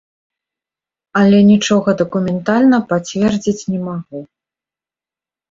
Але нічога дакументальна пацвердзіць не магу.